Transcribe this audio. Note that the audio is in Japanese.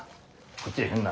こっちへ入んな。